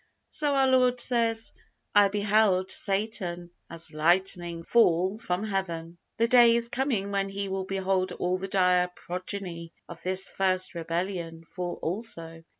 So our Lord says, "I beheld Satan as lightning fall from Heaven." The day is coming when He will behold all the dire progeny of this first rebellion fall also.